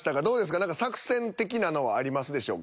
何か作戦的なのはありますでしょうか？